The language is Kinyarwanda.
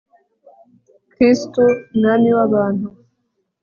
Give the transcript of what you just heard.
kristu mwami w'abantu